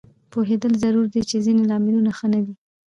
پوهېدل ضروري دي چې ځینې لاملونه ښه نه دي